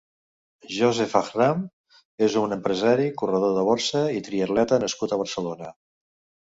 Josef Ajram és un empresari, corredor de borsa i triatleta nascut a Barcelona.